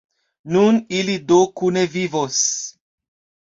Nun ili do kune vivos!